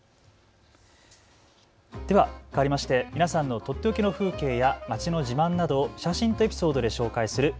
ではかわりまして皆さんのとっておきの風景や街の自慢などを写真とエピソードで紹介する＃